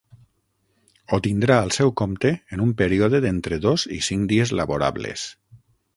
Ho tindrà al seu compte en un període d'entre dos i cinc dies laborables.